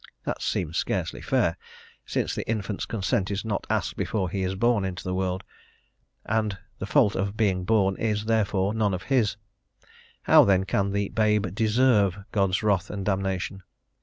That seems scarcely fair, since the infant's consent is not asked before he is born into the world, and the fault of being born is, therefore, none of his. How, then, can the babe deserve God's wrath and damnation?